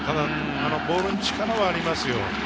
ボールに力はありますよ。